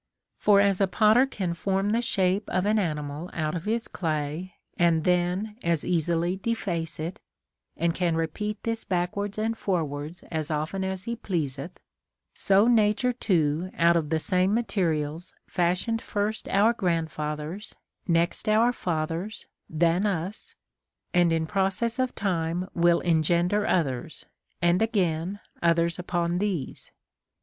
For as a potter can form the shape of an animal out of his clay and then as easily deface it, and can repeat this back wards and forwards as often as he pleaseth, so Nature too out of the same materials fashioned iii st our grandfathers, next our fathers, then us, and in process of time will en gender others, and again others upon these.